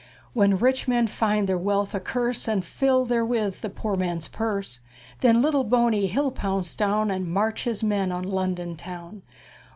When rich' men find' their wealth' a curse', And fill' there with' the poor' man's purse'; Then lit' tle Bo' ney he'll pounce down', And march' his men' on Lon' don town'!